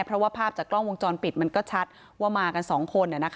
เพราะว่าภาพจากกล้องวงจรปิดมันก็ชัดว่ามากัน๒คน